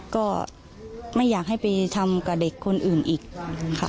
ก็ไม่อยากให้ไปทำกับเด็กคนอื่นอีกค่ะ